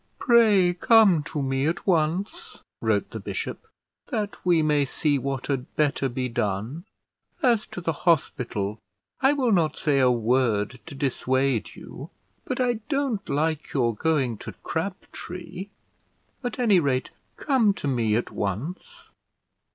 "Pray come to me at once," wrote the bishop, "that we may see what had better be done; as to the hospital, I will not say a word to dissuade you; but I don't like your going to Crabtree: at any rate, come to me at once."